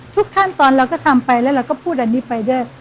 ทุกขั้นตอนเราก็ทำไปแล้วเราก็พูดอันนี้ไปด้วย